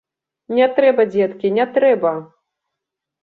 Не трэба, дзеткі, не трэба!